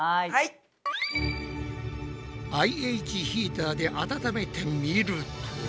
ＩＨヒーターで温めてみると。